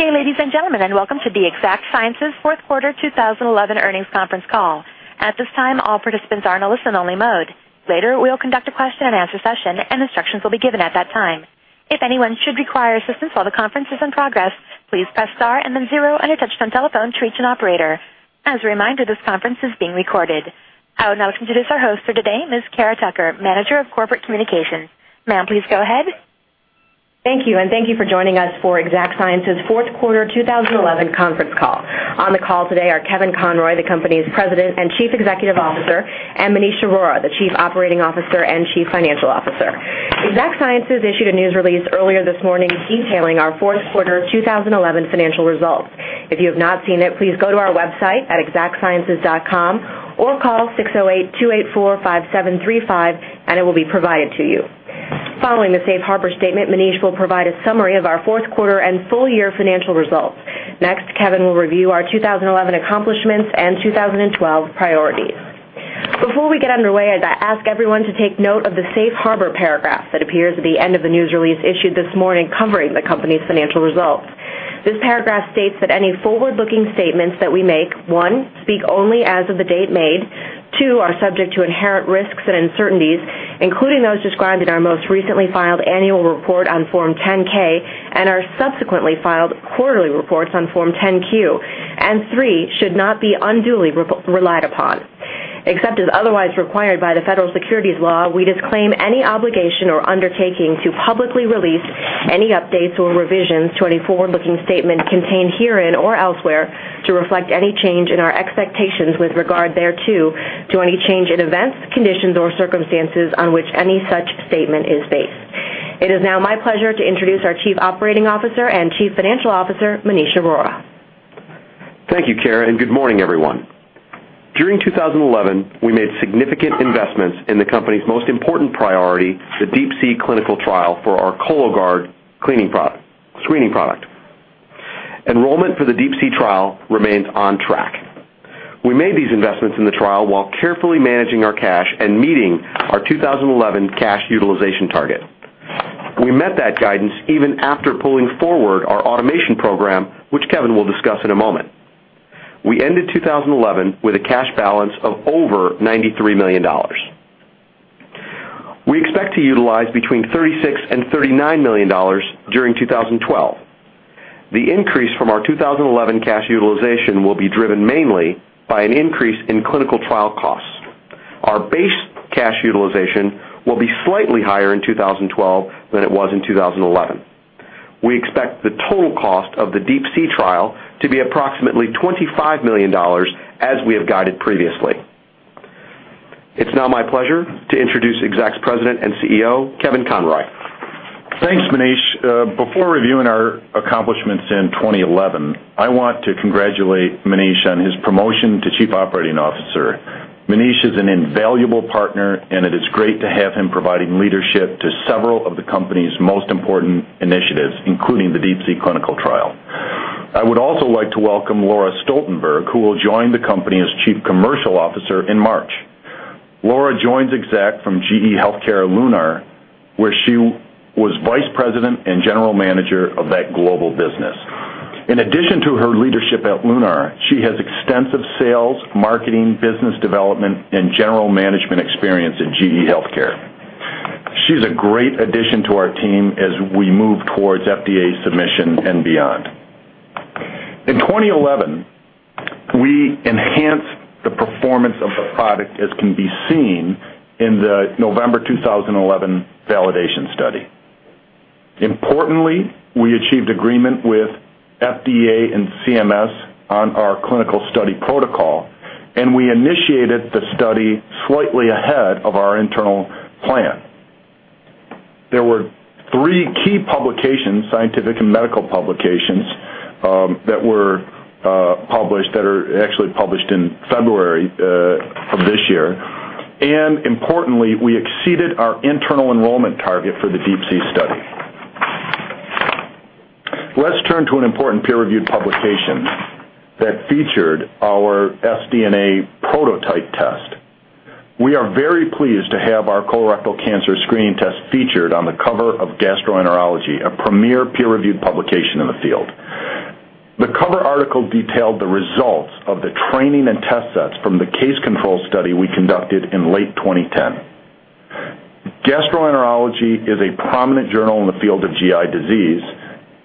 Good day, ladies and gentlemen, and welcome to the Exact Sciences Fourth Quarter 2011 Earnings Conference Call. At this time, all participants are in a listen-only mode. Later, we'll conduct a question-and-answer session, and instructions will be given at that time. If anyone should require assistance while the conference is in progress, please press star and then zero on your touch-tone telephone to reach an operator. As a reminder, this conference is being recorded. I would now like to introduce our host for today, Ms. Cara Tucker, Manager of Corporate Communications. Ma'am, please go ahead. Thank you, and thank you for joining us for Exact Sciences Fourth Quarter 2011 Conference Call. On the call today are Kevin Conroy, the company's President and Chief Executive Officer, and Maneesh Arora, the Chief Operating Officer and Chief Financial Officer. Exact Sciences issued a news release earlier this morning detailing our Fourth Quarter 2011 financial results. If you have not seen it, please go to our website at exactsciences.com or call 608-284-5735, and it will be provided to you. Following the Safe Harbor Statement, Maneesh will provide a summary of our Fourth Quarter and full-year financial results. Next, Kevin will review our 2011 accomplishments and 2012 priorities. Before we get underway, I'd ask everyone to take note of the Safe Harbor paragraph that appears at the end of the news release issued this morning covering the company's financial results. This paragraph states that any forward-looking statements that we make, one, speak only as of the date made, two, are subject to inherent risks and uncertainties, including those described in our most recently filed annual report on Form 10-K and our subsequently filed quarterly reports on Form 10-Q, and three, should not be unduly relied upon. Except as otherwise required by the Federal Securities Law, we disclaim any obligation or undertaking to publicly release any updates or revisions to any forward-looking statement contained herein or elsewhere to reflect any change in our expectations with regard thereto, to any change in events, conditions, or circumstances on which any such statement is based. It is now my pleasure to introduce our Chief Operating Officer and Chief Financial Officer, Maneesh Arora. Thank you, Kara, and good morning, everyone. During 2011, we made significant investments in the company's most important priority, the DeeP-C clinical trial for our Cologuard screening product. Enrollment for the DeeP-C trial remains on track. We made these investments in the trial while carefully managing our cash and meeting our 2011 cash utilization target. We met that guidance even after pulling forward our automation program, which Kevin will discuss in a moment. We ended 2011 with a cash balance of over $93 million. We expect to utilize between $36-$39 million during 2012. The increase from our 2011 cash utilization will be driven mainly by an increase in clinical trial costs. Our base cash utilization will be slightly higher in 2012 than it was in 2011. We expect the total cost of the DeeP-C trial to be approximately $25 million, as we have guided previously. It's now my pleasure to introduce Exact's President and CEO, Kevin Conroy. Thanks, Maneesh. Before reviewing our accomplishments in 2011, I want to congratulate Maneesh on his promotion to Chief Operating Officer. Maneesh is an invaluable partner, and it is great to have him providing leadership to several of the company's most important initiatives, including the DeeP-C clinical trial. I would also like to welcome Laura Stoltenberg, who will join the company as Chief Commercial Officer in March. Laura joins Exact from GE Healthcare Lunar, where she was Vice President and General Manager of that global business. In addition to her leadership at Lunar, she has extensive sales, marketing, business development, and general management experience at GE Healthcare. She's a great addition to our team as we move towards FDA submission and beyond. In 2011, we enhanced the performance of the product, as can be seen in the November 2011 validation study. Importantly, we achieved agreement with FDA and CMS on our clinical study protocol, and we initiated the study slightly ahead of our internal plan. There were three key publications, scientific and medical publications, that were published that are actually published in February of this year. Importantly, we exceeded our internal enrollment target for the DeeP-C study. Let's turn to an important peer-reviewed publication that featured our SDNA prototype test. We are very pleased to have our colorectal cancer screening test featured on the cover of Gastroenterology, a premier peer-reviewed publication in the field. The cover article detailed the results of the training and test sets from the case control study we conducted in late 2010. Gastroenterology is a prominent journal in the field of GI disease,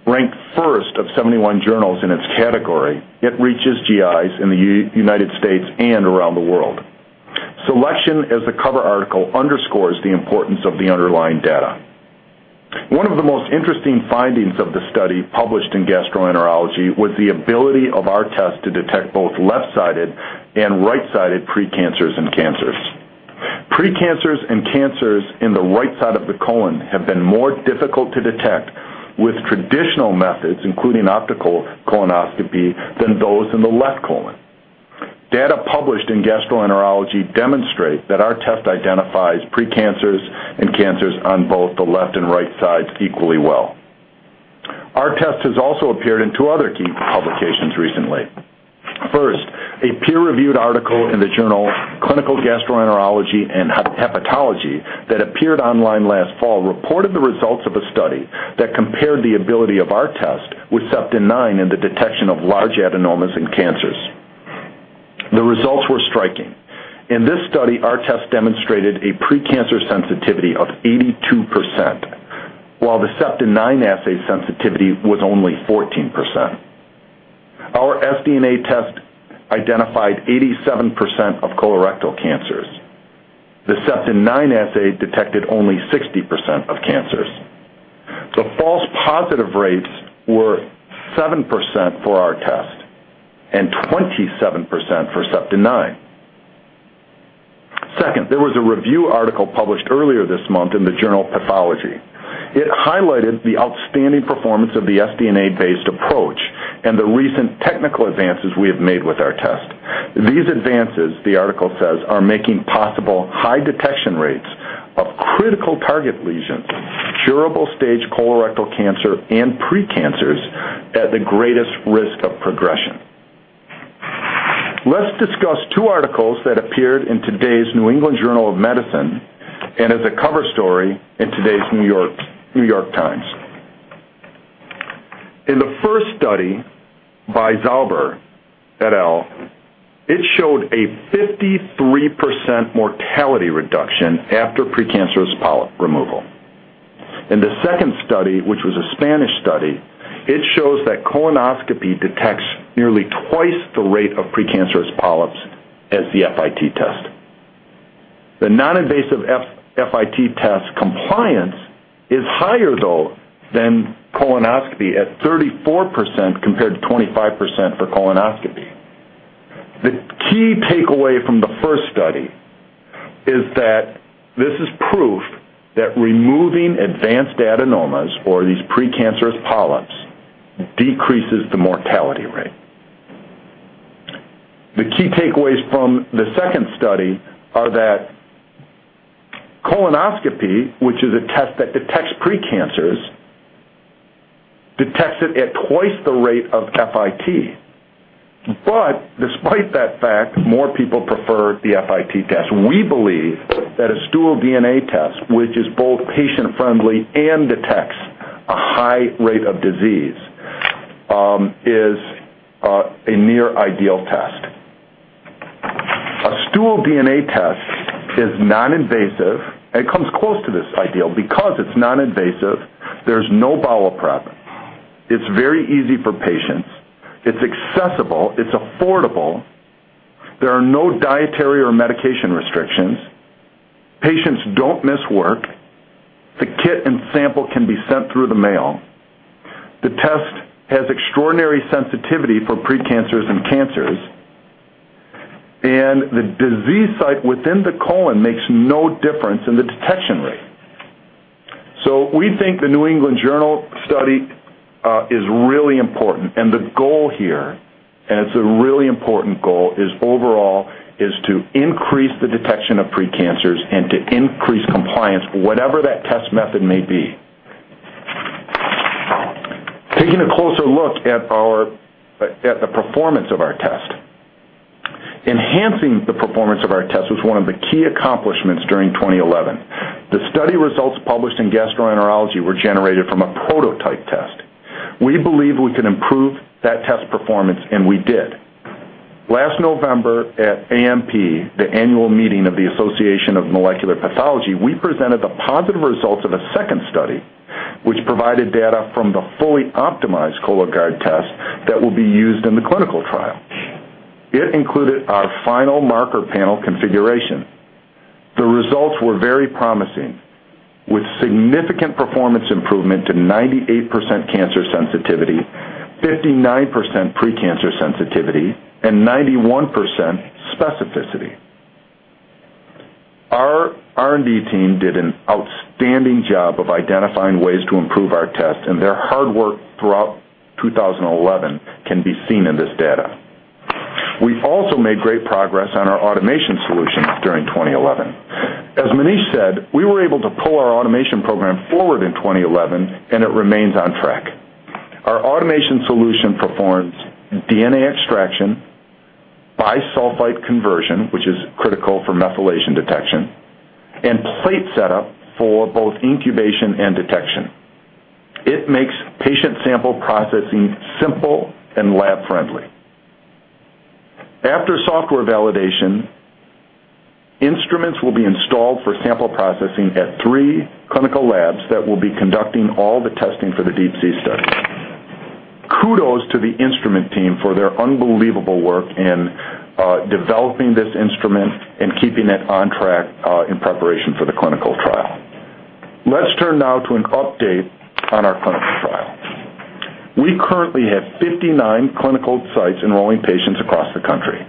ranked first of 71 journals in its category. It reaches GIs in the United States and around the world. Selection as the cover article underscores the importance of the underlying data. One of the most interesting findings of the study published in Gastroenterology was the ability of our test to detect both left-sided and right-sided precancers and cancers. Precancers and cancers in the right side of the colon have been more difficult to detect with traditional methods, including optical colonoscopy, than those in the left colon. Data published in Gastroenterology demonstrate that our test identifies precancers and cancers on both the left and right sides equally well. Our test has also appeared in two other key publications recently. First, a peer-reviewed article in the journal Clinical Gastroenterology and Hepatology that appeared online last fall reported the results of a study that compared the ability of our test with SEPT9 in the detection of large adenomas and cancers. The results were striking. In this study, our test demonstrated a precancer sensitivity of 82%, while the SEPT9 assay sensitivity was only 14%. Our SDNA test identified 87% of colorectal cancers. The SEPT9 assay detected only 60% of cancers. The false positive rates were 7% for our test and 27% for SEPT9. Second, there was a review article published earlier this month in the journal Pathology. It highlighted the outstanding performance of the SDNA-based approach and the recent technical advances we have made with our test. These advances, the article says, are making possible high detection rates of critical target lesions, curable stage colorectal cancer and precancers at the greatest risk of progression. Let's discuss two articles that appeared in today's New England Journal of Medicine and as a cover story in today's New York Times. In the first study by Sauber et al., it showed a 53% mortality reduction after precancerous polyp removal. In the second study, which was a Spanish study, it shows that colonoscopy detects nearly twice the rate of precancerous polyps as the FIT test. The non-invasive FIT test compliance is higher, though, than colonoscopy at 34% compared to 25% for colonoscopy. The key takeaway from the first study is that this is proof that removing advanced adenomas or these precancerous polyps decreases the mortality rate. The key takeaways from the second study are that colonoscopy, which is a test that detects precancers, detects it at twice the rate of FIT. Despite that fact, more people prefer the FIT test. We believe that a stool DNA test, which is both patient-friendly and detects a high rate of disease, is a near-ideal test. A stool DNA test is non-invasive, and it comes close to this ideal. Because it's non-invasive, there's no bowel prep. It's very easy for patients. It's accessible. It's affordable. There are no dietary or medication restrictions. Patients don't miss work. The kit and sample can be sent through the mail. The test has extraordinary sensitivity for precancers and cancers, and the disease site within the colon makes no difference in the detection rate. We think the New England Journal study is really important, and the goal here, and it's a really important goal, is overall to increase the detection of precancers and to increase compliance, whatever that test method may be. Taking a closer look at the performance of our test, enhancing the performance of our test was one of the key accomplishments during 2011. The study results published in Gastroenterology were generated from a prototype test. We believe we can improve that test performance, and we did. Last November at AMP, the annual meeting of the Association of Molecular Pathology, we presented the positive results of a second study, which provided data from the fully optimized Cologuard test that will be used in the clinical trial. It included our final marker panel configuration. The results were very promising, with significant performance improvement to 98% cancer sensitivity, 59% precancer sensitivity, and 91% specificity. Our R&D team did an outstanding job of identifying ways to improve our test, and their hard work throughout 2011 can be seen in this data. We also made great progress on our automation solutions during 2011. As Maneesh said, we were able to pull our automation program forward in 2011, and it remains on track. Our automation solution performs DNA extraction, bisulfite conversion, which is critical for methylation detection, and plate setup for both incubation and detection. It makes patient sample processing simple and lab-friendly. After software validation, instruments will be installed for sample processing at three clinical labs that will be conducting all the testing for the DeeP-C study. Kudos to the instrument team for their unbelievable work in developing this instrument and keeping it on track in preparation for the clinical trial. Let's turn now to an update on our clinical trial. We currently have 59 clinical sites enrolling patients across the country.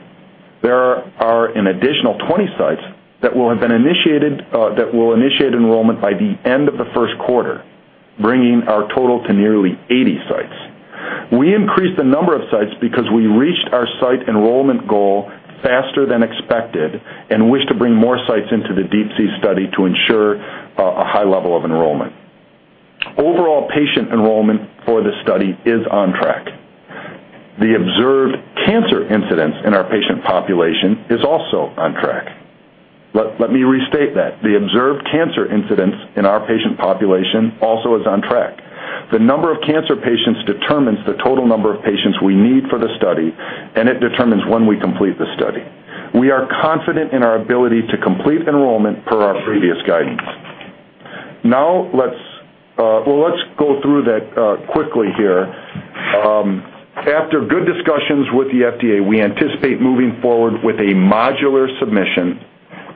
There are an additional 20 sites that will have been initiated that will initiate enrollment by the end of the first quarter, bringing our total to nearly 80 sites. We increased the number of sites because we reached our site enrollment goal faster than expected and wish to bring more sites into the DeeP-C study to ensure a high level of enrollment. Overall, patient enrollment for the study is on track. The observed cancer incidence in our patient population also is on track. The number of cancer patients determines the total number of patients we need for the study, and it determines when we complete the study. We are confident in our ability to complete enrollment per our previous guidance. Now, let's go through that quickly here. After good discussions with the FDA, we anticipate moving forward with a modular submission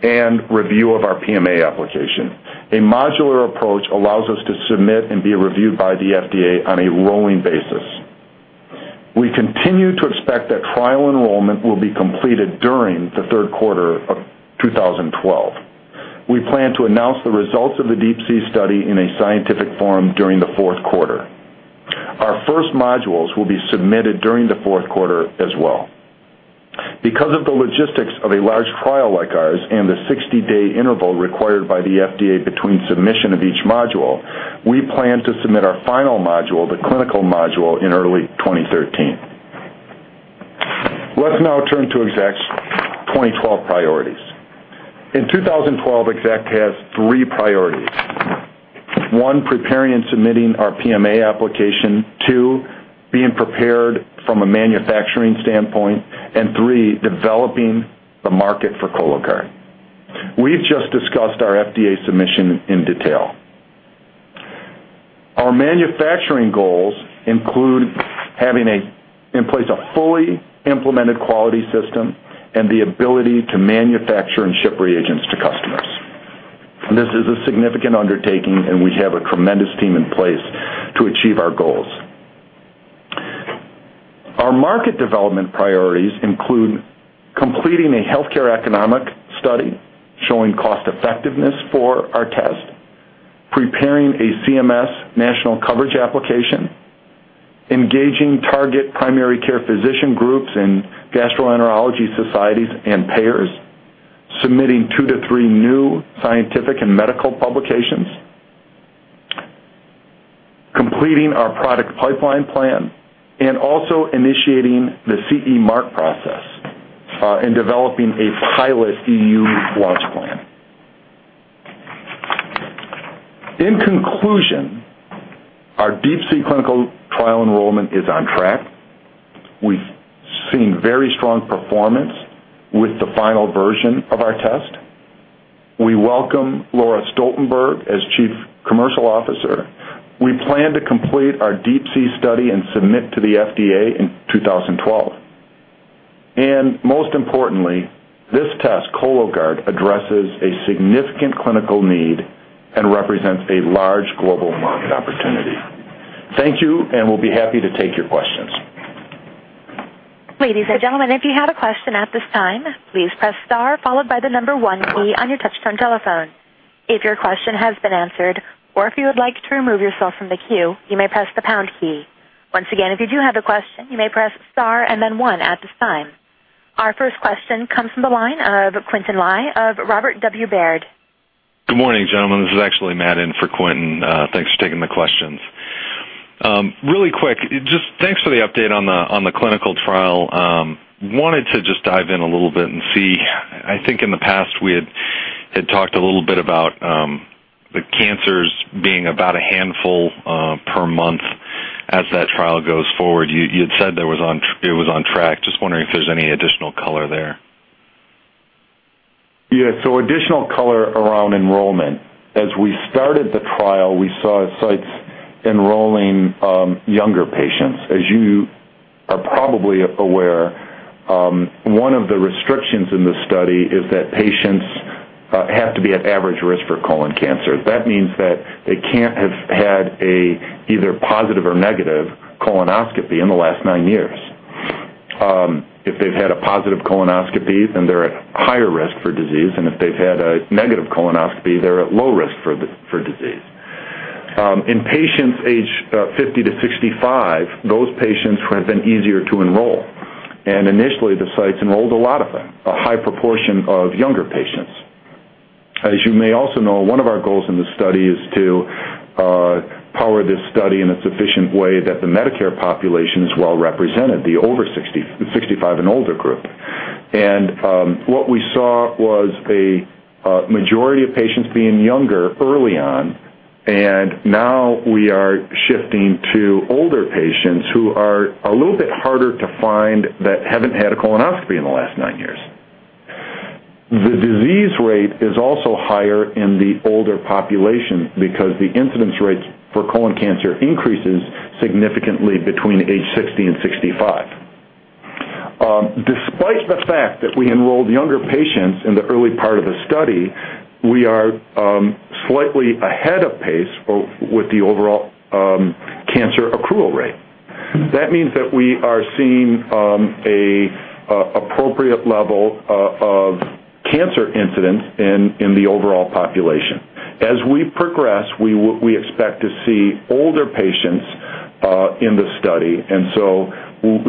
and review of our PMA application. A modular approach allows us to submit and be reviewed by the FDA on a rolling basis. We continue to expect that trial enrollment will be completed during the third quarter of 2012. We plan to announce the results of the DeeP-C study in a scientific forum during the fourth quarter. Our first modules will be submitted during the fourth quarter as well. Because of the logistics of a large trial like ours and the 60-day interval required by the FDA between submission of each module, we plan to submit our final module, the clinical module, in early 2013. Let's now turn to Exact's 2012 priorities. In 2012, Exact has three priorities: one, preparing and submitting our PMA application; two, being prepared from a manufacturing standpoint; and three, developing the market for Cologuard. We've just discussed our FDA submission in detail. Our manufacturing goals include having in place a fully implemented quality system and the ability to manufacture and ship reagents to customers. This is a significant undertaking, and we have a tremendous team in place to achieve our goals. Our market development priorities include completing a healthcare economic study showing cost-effectiveness for our test, preparing a CMS national coverage application, engaging target primary care physician groups and gastroenterology societies and payers, submitting two to three new scientific and medical publications, completing our product pipeline plan, and also initiating the CE mark process and developing a pilot EU launch plan. In conclusion, our DeeP-C clinical trial enrollment is on track. We've seen very strong performance with the final version of our test. We welcome Laura Stoltenberg as Chief Commercial Officer. We plan to complete our DeeP-C study and submit to the FDA in 2012. Most importantly, this test, Cologuard, addresses a significant clinical need and represents a large global market opportunity. Thank you, and we'll be happy to take your questions. Ladies and gentlemen, if you have a question at this time, please press star followed by the number one key on your touch-tone telephone. If your question has been answered or if you would like to remove yourself from the queue, you may press the pound key. Once again, if you do have a question, you may press star and then one at this time. Our first question comes from the line of Quintin Lai of Robert W. Baird. Good morning, gentlemen. This is actually Matt for Quinton. Thanks for taking the questions. Really quick, just thanks for the update on the clinical trial. Wanted to just dive in a little bit and see. I think in the past we had talked a little bit about the cancers being about a handful per month as that trial goes forward. You had said it was on track. Just wondering if there's any additional color there? Yeah. So additional color around enrollment. As we started the trial, we saw sites enrolling younger patients. As you are probably aware, one of the restrictions in the study is that patients have to be at average risk for colon cancer. That means that they can't have had either positive or negative colonoscopy in the last nine years. If they've had a positive colonoscopy, then they're at higher risk for disease, and if they've had a negative colonoscopy, they're at low risk for disease. In patients age 50 to 65, those patients have been easier to enroll. And initially, the sites enrolled a lot of them, a high proportion of younger patients. As you may also know, one of our goals in the study is to power this study in a sufficient way that the Medicare population is well represented, the over 65 and older group. What we saw was a majority of patients being younger early on, and now we are shifting to older patients who are a little bit harder to find that have not had a colonoscopy in the last nine years. The disease rate is also higher in the older population because the incidence rate for colon cancer increases significantly between age 60 and 65. Despite the fact that we enrolled younger patients in the early part of the study, we are slightly ahead of pace with the overall cancer accrual rate. That means that we are seeing an appropriate level of cancer incidence in the overall population. As we progress, we expect to see older patients in the study, and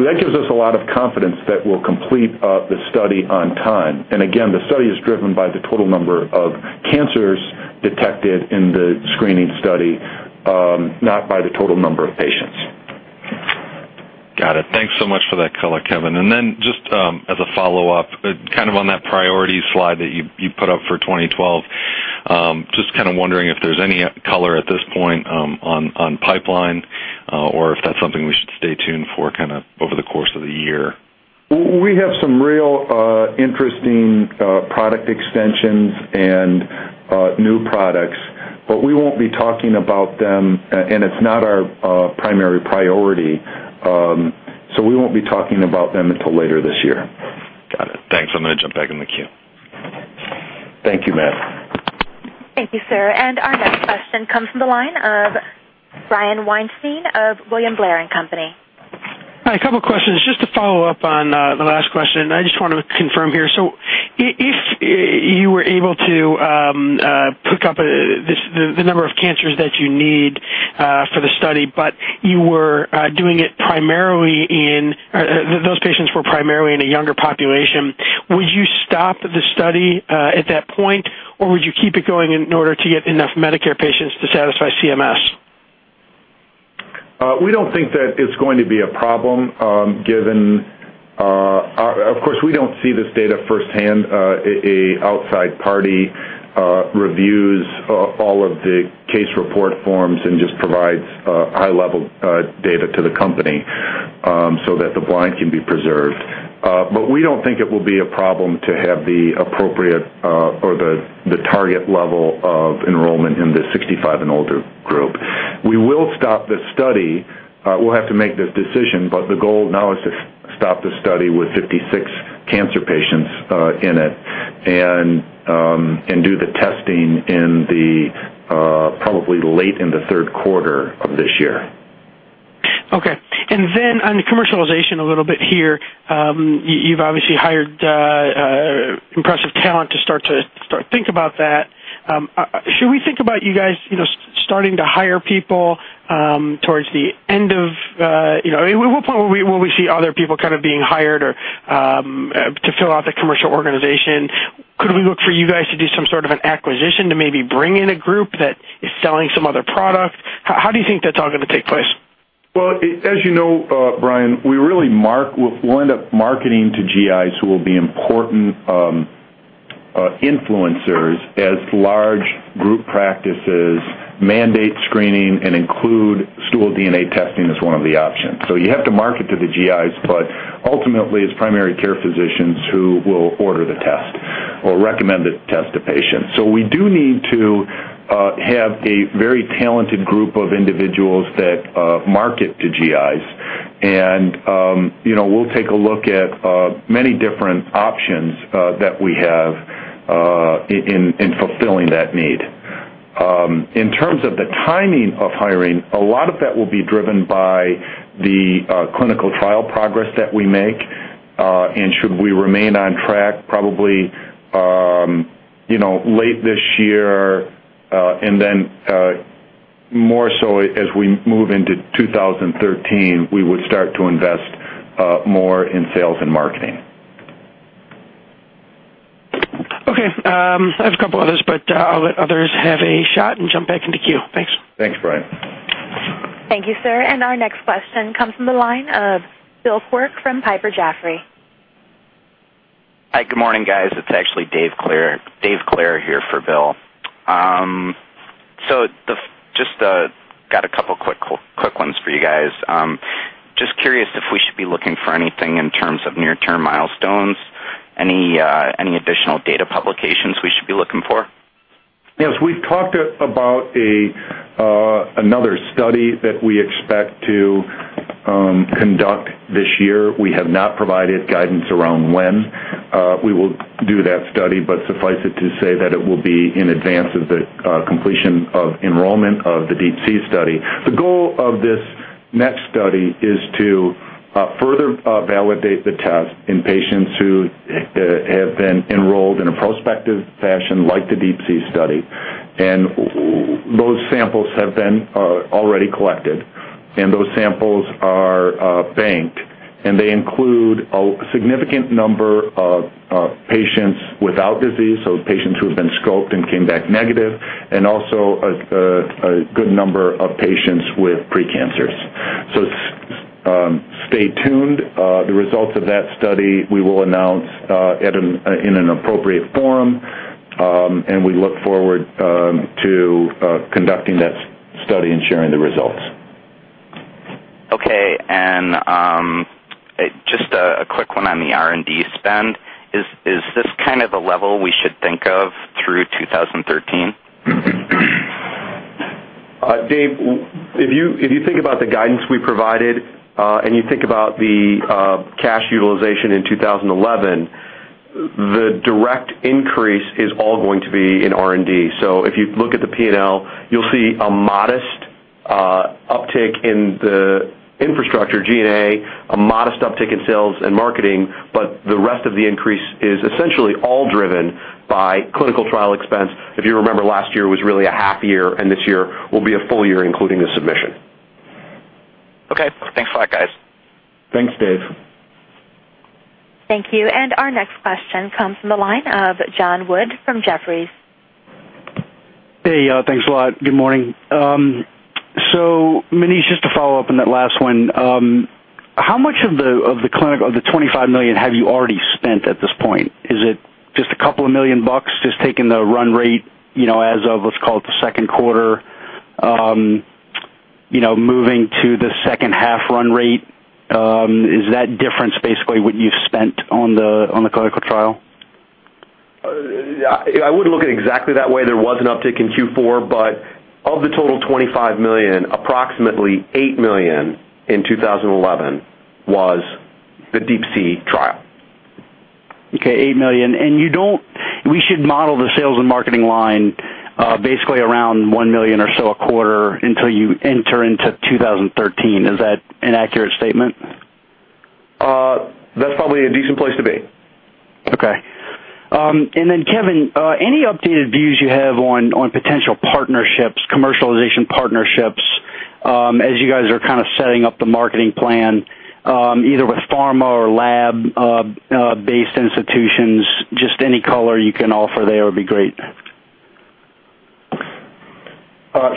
that gives us a lot of confidence that we'll complete the study on time. Again, the study is driven by the total number of cancers detected in the screening study, not by the total number of patients. Got it. Thanks so much for that color, Kevin. Just as a follow-up, kind of on that priority slide that you put up for 2012, just kind of wondering if there's any color at this point on pipeline or if that's something we should stay tuned for over the course of the year. We have some real interesting product extensions and new products, but we won't be talking about them, and it's not our primary priority, so we won't be talking about them until later this year. Got it. Thanks. I'm going to jump back in the queue. Thank you, Matt. Thank you, sir. Our next question comes from the line of Brian Weinstein of William Blair & Company. Hi. A couple of questions. Just to follow up on the last question, I just want to confirm here. If you were able to pick up the number of cancers that you need for the study, but you were doing it primarily in those patients who were primarily in a younger population, would you stop the study at that point, or would you keep it going in order to get enough Medicare patients to satisfy CMS? We do not think that it is going to be a problem given, of course, we do not see this data firsthand. An outside party reviews all of the case report forms and just provides high-level data to the company so that the blind can be preserved. We do not think it will be a problem to have the appropriate or the target level of enrollment in the 65 and older group. We will stop the study. We will have to make this decision, but the goal now is to stop the study with 56 cancer patients in it and do the testing probably late in the third quarter of this year. Okay. On commercialization a little bit here, you have obviously hired impressive talent to start to think about that. Should we think about you guys starting to hire people towards the end of—at what point will we see other people kind of being hired to fill out the commercial organization? Could we look for you guys to do some sort of an acquisition to maybe bring in a group that is selling some other product? How do you think that's all going to take place? As you know, Brian, we really mark we'll end up marketing to GIs who will be important influencers as large group practices mandate screening and include stool DNA testing as one of the options. You have to market to the GIs, but ultimately, it's primary care physicians who will order the test or recommend the test to patients. We do need to have a very talented group of individuals that market to GIs, and we'll take a look at many different options that we have in fulfilling that need. In terms of the timing of hiring, a lot of that will be driven by the clinical trial progress that we make, and should we remain on track, probably late this year and then more so as we move into 2013, we would start to invest more in sales and marketing. Okay. I have a couple others, but I'll let others have a shot and jump back in the queue. Thanks. Thanks, Brian. Thank you, sir. Our next question comes from the line of Bill Quirk from Piper Jaffray. Hi. Good morning, guys. It's actually Dave Clair here for Bill. Just got a couple of quick ones for you guys. Just curious if we should be looking for anything in terms of near-term milestones, any additional data publications we should be looking for? Yes. We've talked about another study that we expect to conduct this year. We have not provided guidance around when. We will do that study, but suffice it to say that it will be in advance of the completion of enrollment of the DeeP-C study. The goal of this next study is to further validate the test in patients who have been enrolled in a prospective fashion like the DeeP-C study. Those samples have been already collected, and those samples are banked, and they include a significant number of patients without disease, so patients who have been scoped and came back negative, and also a good number of patients with precancers. Stay tuned. The results of that study we will announce in an appropriate forum, and we look forward to conducting that study and sharing the results. Okay. And just a quick one on the R&D spend. Is this kind of a level we should think of through 2013? Dave, if you think about the guidance we provided and you think about the cash utilization in 2011, the direct increase is all going to be in R&D. If you look at the P&L, you'll see a modest uptick in the infrastructure G&A, a modest uptick in sales and marketing, but the rest of the increase is essentially all driven by clinical trial expense. If you remember, last year was really a half year, and this year will be a full year including the submission. Okay. Thanks a lot, guys. Thanks, Dave. Thank you. Our next question comes from the line of Jon Wood from Jeffries. Hey. Thanks a lot. Good morning. Maneesh, just to follow up on that last one, how much of the $25 million have you already spent at this point? Is it just a couple of million bucks just taking the run rate as of, let's call it, the second quarter, moving to the second half run rate? Is that difference basically what you've spent on the clinical trial? I wouldn't look at it exactly that way. There was an uptick in Q4, but of the total $25 million, approximately $8 million in 2011 was the DeeP-C trial. Okay. $8 million. And we should model the sales and marketing line basically around $1 million or so a quarter until you enter into 2013. Is that an accurate statement? That's probably a decent place to be. Okay. And then, Kevin, any updated views you have on potential commercialization partnerships as you guys are kind of setting up the marketing plan, either with pharma or lab-based institutions? Just any color you can offer there would be great.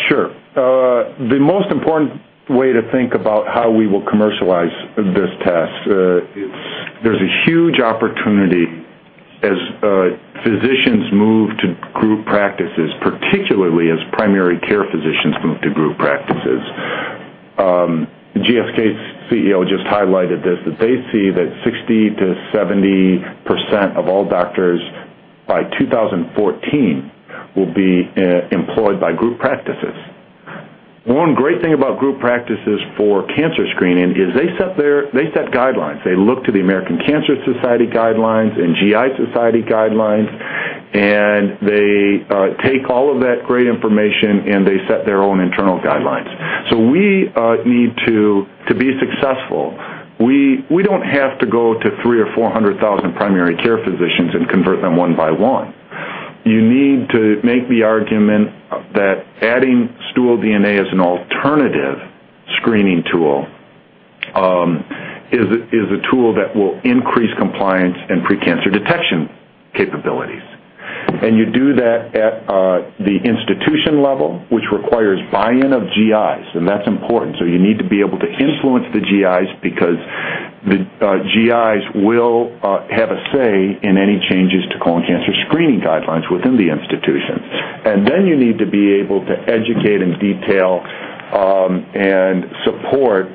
Sure. The most important way to think about how we will commercialize this test is there's a huge opportunity as physicians move to group practices, particularly as primary care physicians move to group practices. GSK's CEO just highlighted this, that they see that 60%-70% of all doctors by 2014 will be employed by group practices. One great thing about group practices for cancer screening is they set guidelines. They look to the American Cancer Society guidelines and GI Society guidelines, and they take all of that great information and they set their own internal guidelines. To be successful, we don't have to go to 300,000 or 400,000 primary care physicians and convert them one by one. You need to make the argument that adding stool DNA as an alternative screening tool is a tool that will increase compliance and precancer detection capabilities. You do that at the institution level, which requires buy-in of GIs, and that's important. You need to be able to influence the GIs because the GIs will have a say in any changes to colon cancer screening guidelines within the institution. You need to be able to educate in detail and support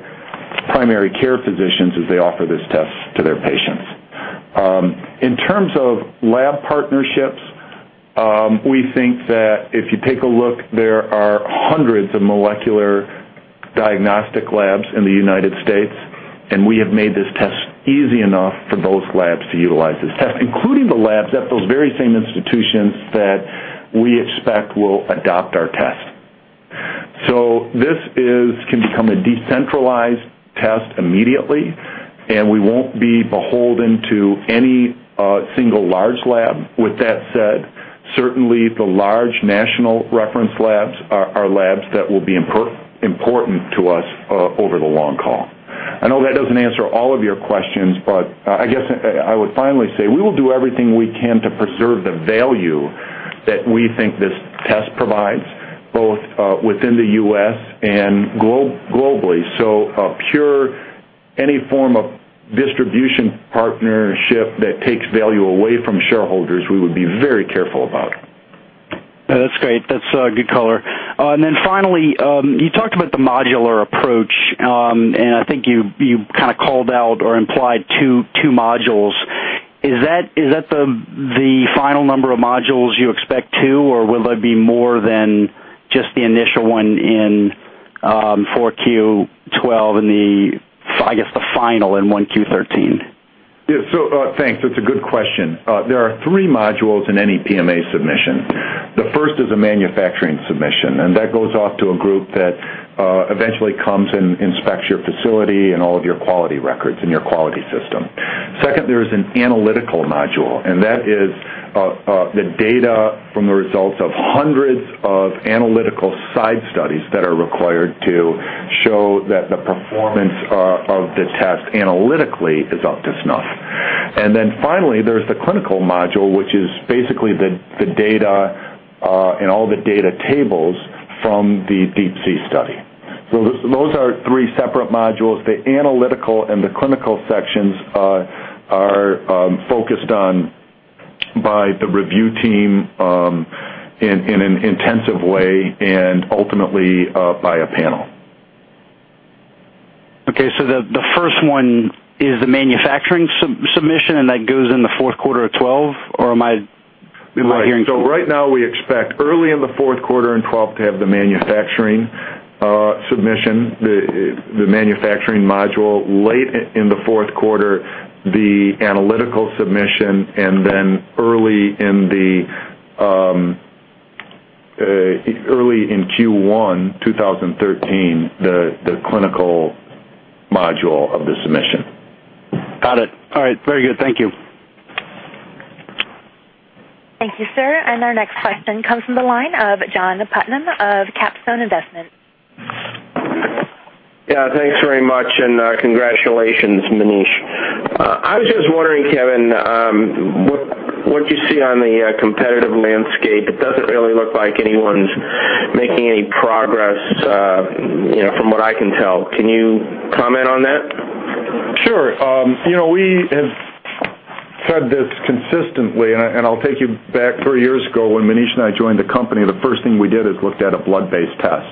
primary care physicians as they offer this test to their patients. In terms of lab partnerships, we think that if you take a look, there are hundreds of molecular diagnostic labs in the United States, and we have made this test easy enough for those labs to utilize this test, including the labs at those very same institutions that we expect will adopt our test. This can become a decentralized test immediately, and we won't be beholden to any single large lab. With that said, certainly the large national reference labs are labs that will be important to us over the long haul. I know that does not answer all of your questions, but I guess I would finally say we will do everything we can to preserve the value that we think this test provides, both within the U.S. and globally. So pure any form of distribution partnership that takes value away from shareholders, we would be very careful about. That's great. That's a good color. And then finally, you talked about the modular approach, and I think you kind of called out or implied two modules. Is that the final number of modules you expect to, or will there be more than just the initial one in 4Q 2012 and, I guess, the final in 1Q 2013? Yeah. Thanks. That's a good question. There are three modules in any PMA submission. The first is a manufacturing submission, and that goes off to a group that eventually comes and inspects your facility and all of your quality records and your quality system. Second, there is an analytical module, and that is the data from the results of hundreds of analytical side studies that are required to show that the performance of the test analytically is up to snuff. Finally, there's the clinical module, which is basically the data and all the data tables from the DeeP-C study. Those are three separate modules. The analytical and the clinical sections are focused on by the review team in an intensive way and ultimately by a panel. Okay. The first one is the manufacturing submission, and that goes in the fourth quarter of 2012, or am I hearing? Right now, we expect early in the fourth quarter in 2012 to have the manufacturing submission, the manufacturing module, late in the fourth quarter the analytical submission, and then early in Q1 2013, the clinical module of the submission. Got it. All right. Very good. Thank you. Thank you, sir. Our next question comes from the line of John Putnam of Capstone Investment. Yeah. Thanks very much, and congratulations, Maneesh. I was just wondering, Kevin, what you see on the competitive landscape. It does not really look like anyone is making any progress from what I can tell. Can you comment on that? Sure. We have said this consistently, and I will take you back three years ago when Maneesh and I joined the company. The first thing we did is looked at a blood-based test.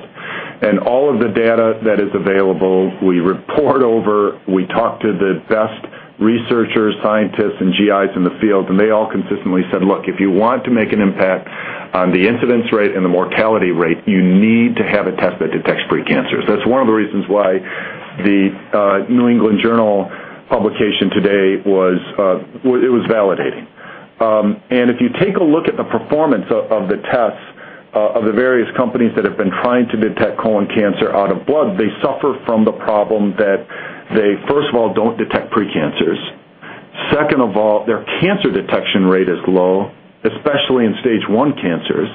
All of the data that is available, we report over, we talk to the best researchers, scientists, and GIs in the field, and they all consistently said, "Look, if you want to make an impact on the incidence rate and the mortality rate, you need to have a test that detects precancers." That is one of the reasons why the New England Journal publication today was validating. If you take a look at the performance of the tests of the various companies that have been trying to detect colon cancer out of blood, they suffer from the problem that they, first of all, do not detect precancers. Second of all, their cancer detection rate is low, especially in stage I cancers.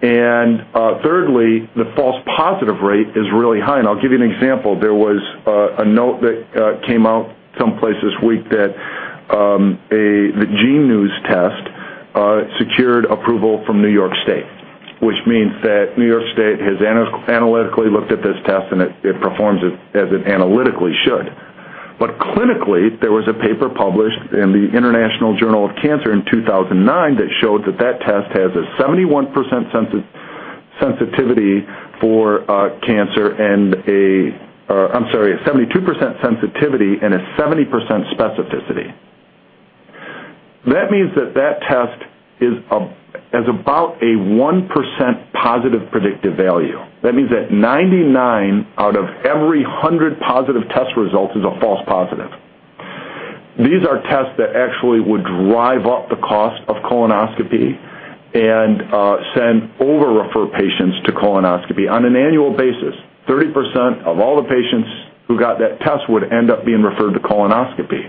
Thirdly, the false positive rate is really high. I'll give you an example. There was a note that came out someplace this week that the Gene News test secured approval from New York State, which means that New York State has analytically looked at this test, and it performs as it analytically should. Clinically, there was a paper published in the International Journal of Cancer in 2009 that showed that that test has a 71% sensitivity for cancer and a—I'm sorry—a 72% sensitivity and a 70% specificity. That means that that test has about a 1% positive predictive value. That means that 99 out of every 100 positive test results is a false positive. These are tests that actually would drive up the cost of colonoscopy and send over-refer patients to colonoscopy on an annual basis. 30% of all the patients who got that test would end up being referred to colonoscopy.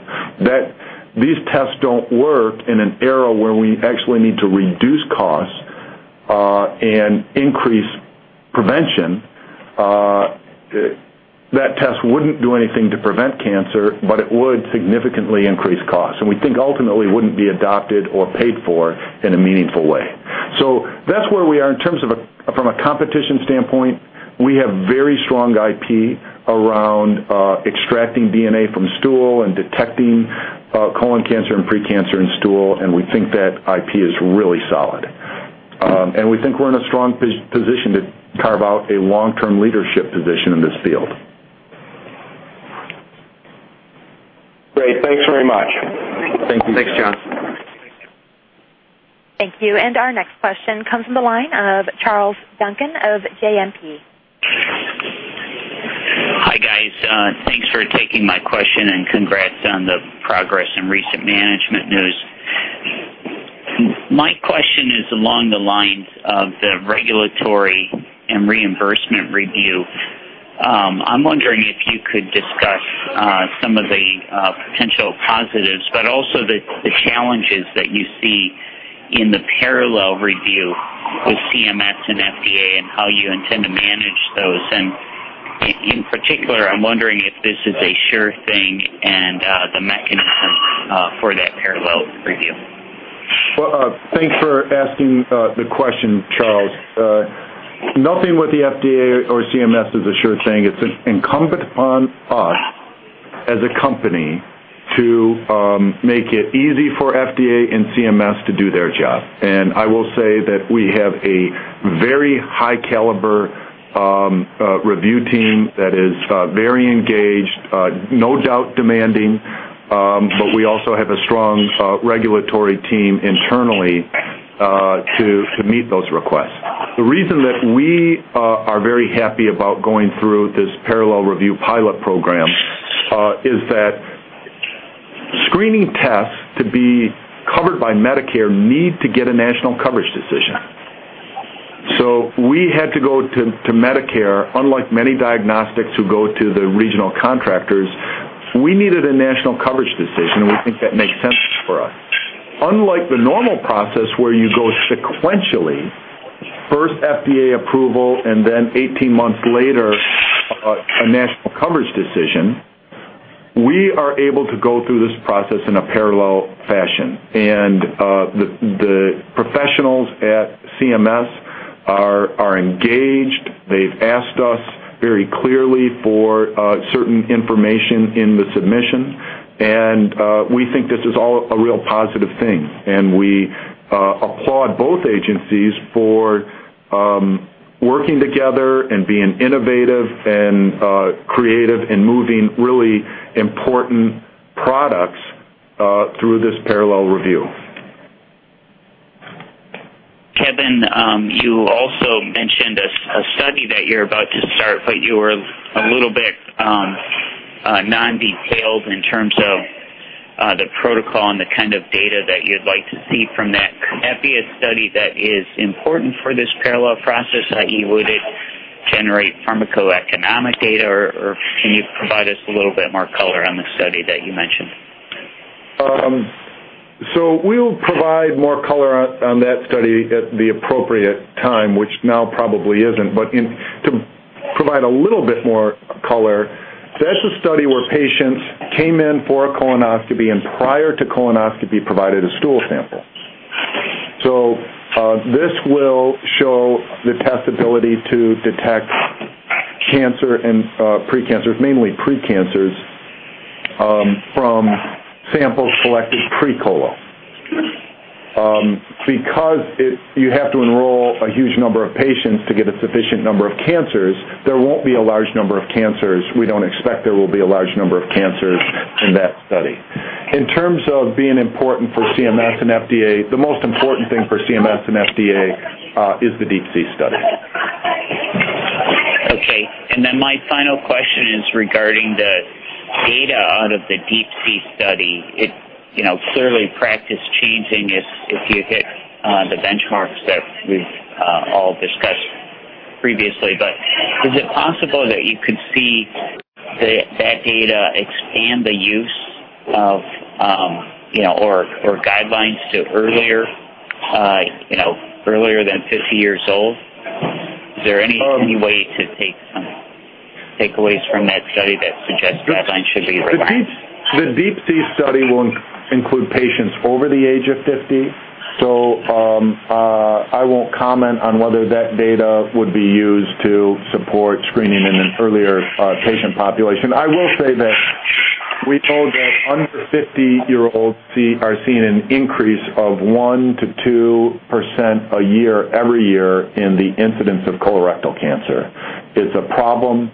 These tests don't work in an era where we actually need to reduce costs and increase prevention. That test wouldn't do anything to prevent cancer, but it would significantly increase costs. We think ultimately it wouldn't be adopted or paid for in a meaningful way. That is where we are in terms of a—from a competition standpoint, we have very strong IP around extracting DNA from stool and detecting colon cancer and precancer in stool, and we think that IP is really solid. We think we're in a strong position to carve out a long-term leadership position in this field. Great. Thanks very much. Thank you. Thanks, John. Thank you. Our next question comes from the line of Charles Duncan of JMP. Hi, guys. Thanks for taking my question and congrats on the progress and recent management news. My question is along the lines of the regulatory and reimbursement review. I'm wondering if you could discuss some of the potential positives, but also the challenges that you see in the parallel review with CMS and FDA and how you intend to manage those. In particular, I'm wondering if this is a sure thing and the mechanism for that parallel review? Thanks for asking the question, Charles. Nothing with the FDA or CMS is a sure thing. It's incumbent upon us as a company to make it easy for FDA and CMS to do their job. I will say that we have a very high-caliber review team that is very engaged, no doubt demanding, but we also have a strong regulatory team internally to meet those requests. The reason that we are very happy about going through this parallel review pilot program is that screening tests to be covered by Medicare need to get a national coverage decision. We had to go to Medicare, unlike many diagnostics who go to the regional contractors, we needed a national coverage decision, and we think that makes sense for us. Unlike the normal process where you go sequentially, first FDA approval, and then 18 months later a national coverage decision, we are able to go through this process in a parallel fashion. The professionals at CMS are engaged. They've asked us very clearly for certain information in the submission, and we think this is all a real positive thing. We applaud both agencies for working together and being innovative and creative and moving really important products through this parallel review. Kevin, you also mentioned a study that you're about to start, but you were a little bit non-detailed in terms of the protocol and the kind of data that you'd like to see from that. Could that be a study that is important for this parallel process? I.e., would it generate pharmacoeconomic data, or can you provide us a little bit more color on the study that you mentioned? We'll provide more color on that study at the appropriate time, which now probably isn't, but to provide a little bit more color. That's a study where patients came in for a colonoscopy and prior to colonoscopy provided a stool sample. This will show the test ability to detect cancer and precancers, mainly precancers, from samples collected pre-colon. Because you have to enroll a huge number of patients to get a sufficient number of cancers, there will not be a large number of cancers. We do not expect there will be a large number of cancers in that study. In terms of being important for CMS and FDA, the most important thing for CMS and FDA is the DeeP-C study. Okay. My final question is regarding the data out of the DeeP-C study. It is clearly practice-changing if you hit the benchmarks that we have all discussed previously. Is it possible that you could see that data expand the use of or guidelines to earlier than 50 years old? Is there any way to take some takeaways from that study that suggests guidelines should be revised? The DeeP-C study will include patients over the age of 50. I won't comment on whether that data would be used to support screening in an earlier patient population. I will say that we know that under 50-year-olds are seeing an increase of 1-2% a year in the incidence of colorectal cancer. It's a problem.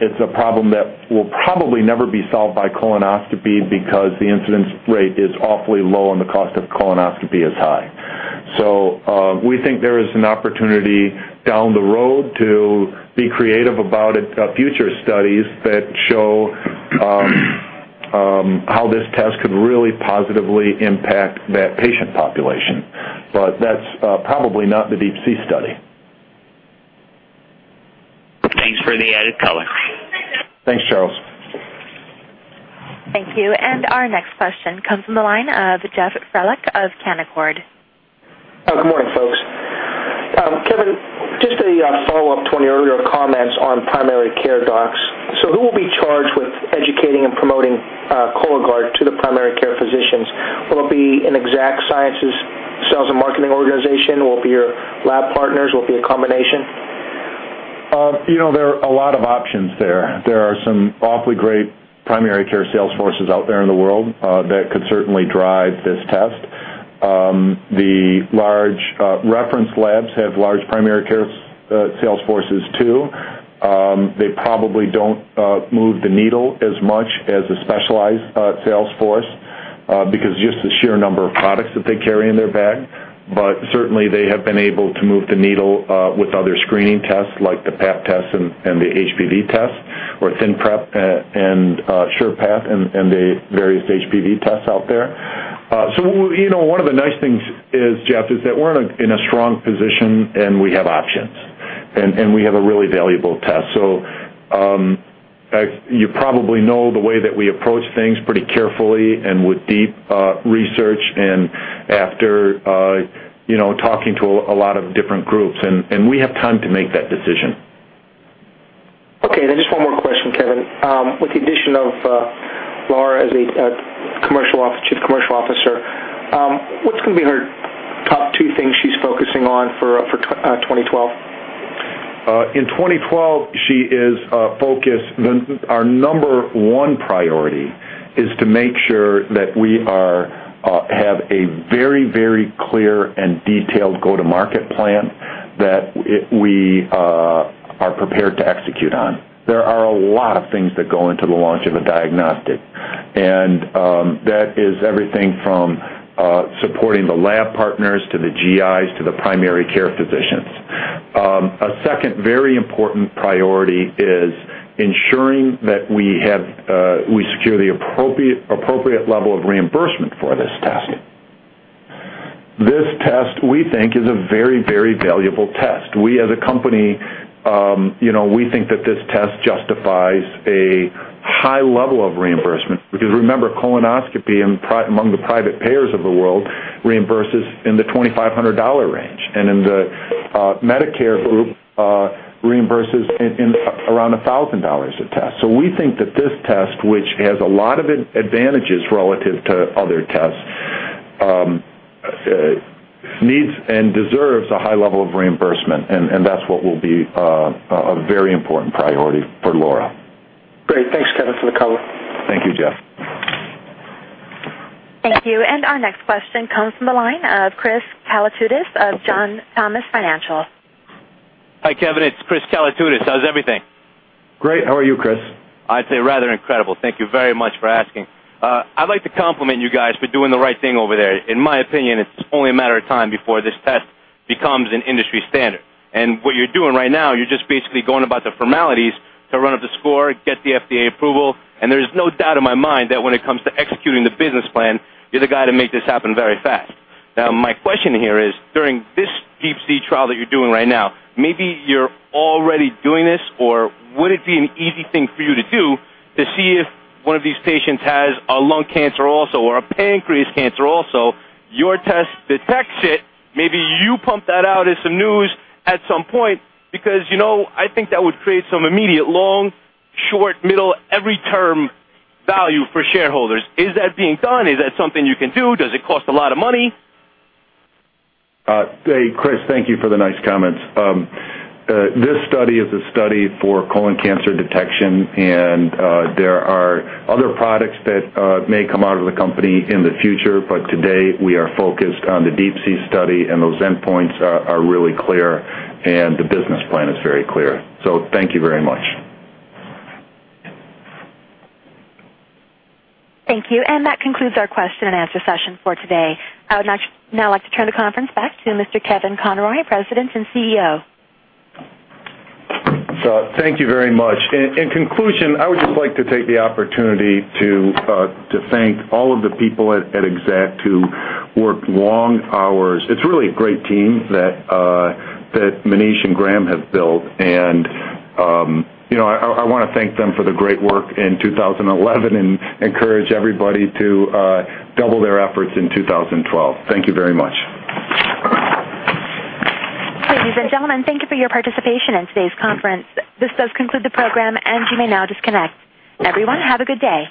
It's a problem that will probably never be solved by colonoscopy because the incidence rate is awfully low and the cost of colonoscopy is high. We think there is an opportunity down the road to be creative about future studies that show how this test could really positively impact that patient population. That's probably not the DeeP-C study. Thanks for the added color. Thanks, Charles. Thank you. Our next question comes from the line of Jeff Frelick of Canaccord. Good morning, folks. Kevin, just a follow-up to one of your earlier comments on primary care docs. Who will be charged with educating and promoting Cologuard to the primary care physicians? Will it be an Exact Sciences Sales and Marketing organization? Will it be your lab partners? Will it be a combination? There are a lot of options there. There are some awfully great primary care sales forces out there in the world that could certainly drive this test. The large reference labs have large primary care sales forces too. They probably do not move the needle as much as a specialized sales force because of just the sheer number of products that they carry in their bag. Certainly, they have been able to move the needle with other screening tests like the PAP test and the HPV test or ThinPrep and SurePath and the various HPV tests out there. One of the nice things is, Jeff, is that we're in a strong position and we have options, and we have a really valuable test. You probably know the way that we approach things pretty carefully and with deep research and after talking to a lot of different groups. We have time to make that decision. Okay. Just one more question, Kevin. With the addition of Laura as Chief Commercial Officer, what's going to be her top two things she's focusing on for 2012? In 2012, she is focused. Our number one priority is to make sure that we have a very, very clear and detailed go-to-market plan that we are prepared to execute on. There are a lot of things that go into the launch of a diagnostic. That is everything from supporting the lab partners to the GIs to the primary care physicians. A second very important priority is ensuring that we secure the appropriate level of reimbursement for this test. This test, we think, is a very, very valuable test. We, as a company, think that this test justifies a high level of reimbursement because remember, colonoscopy among the private payers of the world reimburses in the $2,500 range. In the Medicare group, reimburses around $1,000 a test. We think that this test, which has a lot of advantages relative to other tests, needs and deserves a high level of reimbursement. That will be a very important priority for Laura. Great. Thanks, Kevin, for the color. Thank you, Jeff. Thank you. Our next question comes from the line of Chris Calatudes of John Thomas Financial. Hi, Kevin. It's Chris Calatudes. How's everything? Great. How are you, Chris? I'd say rather incredible. Thank you very much for asking. I'd like to compliment you guys for doing the right thing over there. In my opinion, it's only a matter of time before this test becomes an industry standard. What you're doing right now, you're just basically going about the formalities to run up the score, get the FDA approval. There's no doubt in my mind that when it comes to executing the business plan, you're the guy to make this happen very fast. Now, my question here is, during this DeeP-C trial that you're doing right now, maybe you're already doing this, or would it be an easy thing for you to do to see if one of these patients has lung cancer also or a pancreas cancer also? Your test detects it. Maybe you pump that out as some news at some point because I think that would create some immediate long, short, middle, every term value for shareholders. Is that being done? Is that something you can do? Does it cost a lot of money? Hey, Chris, thank you for the nice comments. This study is a study for colon cancer detection, and there are other products that may come out of the company in the future. Today, we are focused on the DeeP-C study, and those endpoints are really clear, and the business plan is very clear. Thank you very much. Thank you. That concludes our question and answer session for today. I would now like to turn the conference back to Mr. Kevin Conroy, President and CEO. Thank you very much. In conclusion, I would just like to take the opportunity to thank all of the people at Exact who worked long hours. It's really a great team that Maneesh and Graham have built. I want to thank them for the great work in 2011 and encourage everybody to double their efforts in 2012. Thank you very much. Ladies and gentlemen, thank you for your participation in today's conference. This does conclude the program, and you may now disconnect. Everyone, have a good day.